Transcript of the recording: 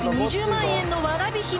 ２０万円のわらび姫。